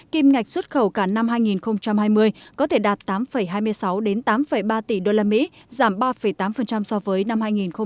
kim ngạch xuất khẩu cả năm hai nghìn hai mươi có thể đạt tám hai mươi sáu tám ba tỷ usd giảm ba tám so với năm hai nghìn một mươi chín